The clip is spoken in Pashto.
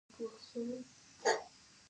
بدخشان د افغان کلتور سره تړاو لري.